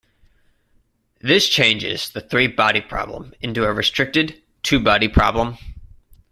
This changes the three-body problem into a restricted two-body problem.